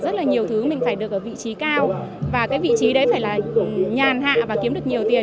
rất là nhiều thứ mình phải được ở vị trí cao và cái vị trí đấy phải là nhàn hạ và kiếm được nhiều tiền